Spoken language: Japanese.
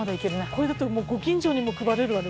これだともうご近所にも配れるわね